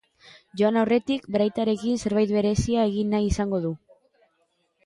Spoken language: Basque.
Joan aurretik, bere aitarekin zerbait berezia egin nahi izango du.